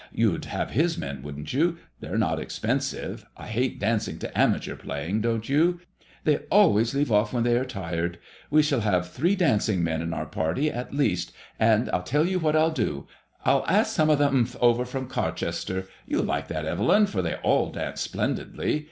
You'd have his men, wouldn't you? They're not expensive. I hate dancing to amateur playing, don't you ? They always leave off when they are tired. We shall have three dancing men in our IfADEMOISBLLl IXX. 7$ party at least, and I'll tell you what I'll do: I'll ask some ol the — th over from Carchester. You'll like that, Evelyn, for they all dance splendidly.